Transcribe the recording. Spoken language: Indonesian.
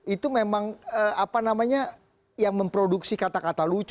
itu memang apa namanya yang memproduksi kata kata lucu